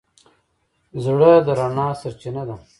زړه د رڼا سرچینه ده.